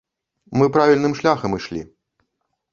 Мы правільным шляхам ішлі.